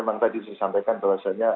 memang tadi saya sampaikan bahwasannya